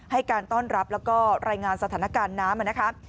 ให้การต้อนรับและรายงานสถานการณ์น้ำ